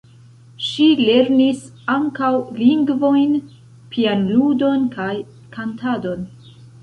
Ŝi lernis ankaŭ lingvojn, pianludon kaj kantadon.